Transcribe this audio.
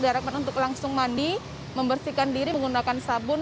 diharapkan untuk langsung mandi membersihkan diri menggunakan sabun